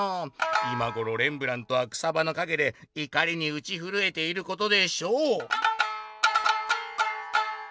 「今ごろレンブラントは草ばのかげでいかりにうちふるえていることでしょう」。